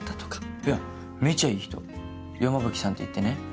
いやめちゃいい人山吹さんっていってね。